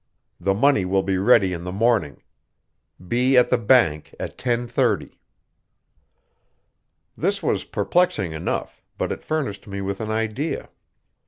The money will be ready in the morning. Be at the bank at 10:30." This was perplexing enough, but it furnished me with an idea.